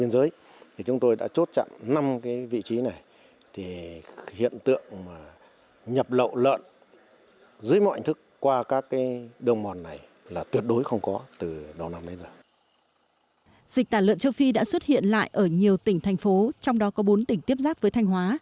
dịch tả lợn châu phi đã xuất hiện lại ở nhiều tỉnh thành phố trong đó có bốn tỉnh tiếp giáp với thanh hóa